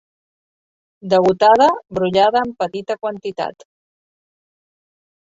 Degotada, brollada en petita quantitat.